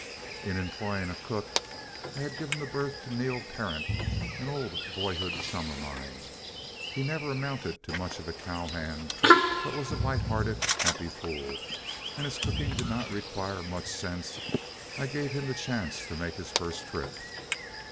In employing a cook, I had given the berth to Neal Parent, an old boyhood chum of mine. He never amounted to much as a cow hand, but was a lighthearted, happy fool; and as cooking did not require much sense, I gave him the chance to make his first trip.